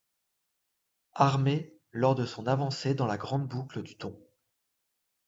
Armee lors de son avancée dans la grande boucle du Don.